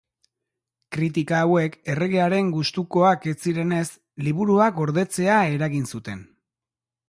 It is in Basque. Kritika hauek erregearen gustukoak ez zirenez, liburua gordetzea eragin zuten.